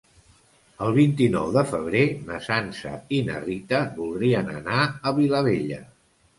El vint-i-nou de febrer na Sança i na Rita voldrien anar a Vilabella.